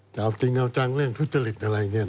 จะเอาจริงเอาจังเรื่องทุจริตอะไรอย่างนี้